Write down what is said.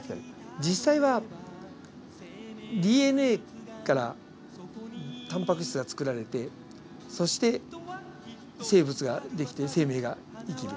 実際はＤＮＡからタンパク質がつくられてそして生物が出来て生命が生きる。